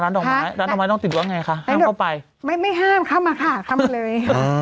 ดอกไม้ร้านดอกไม้ต้องติดว่าไงคะห้ามเข้าไปไม่ไม่ห้ามเข้ามาค่ะเข้ามาเลยอ่า